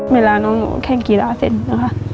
เวลาน้องหนูแข้งกีฬาเสร็จนะคะ